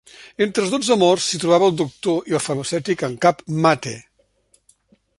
Entre els dotze morts s'hi trobava el doctor i el farmacèutic en cap Mate.